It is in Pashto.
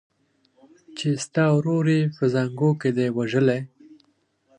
چي ستا ورور یې په زانګو کي دی وژلی